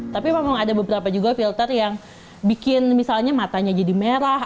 tapi memang ada beberapa juga filter yang bikin misalnya matanya jadi merah